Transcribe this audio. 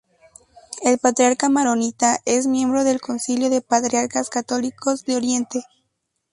El patriarca maronita es miembro del Concilio de patriarcas católicos de Oriente.